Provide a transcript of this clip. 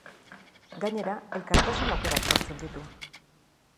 Gainera, elkartasun aukerak sortzen ditu.